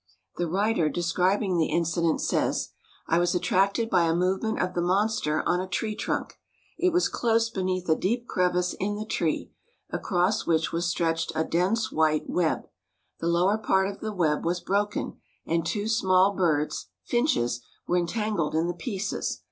The writer describing the incident says: "I was attracted by a movement of the monster on a tree trunk; it was close beneath a deep crevice in the tree, across which was stretched a dense white web. The lower part of the web was broken, and two small birds, finches, were entangled in the pieces.